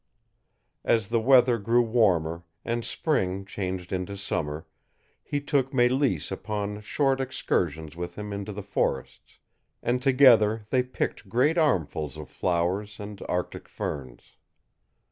As the weather grew warmer, and spring changed into summer, he took Mélisse upon short excursions with him into the forests, and together they picked great armfuls of flowers and Arctic ferns.